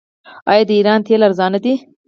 آیا د ایران تیل ارزانه دي؟